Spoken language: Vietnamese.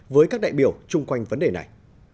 với các đại biểu chung quanh vấn đề này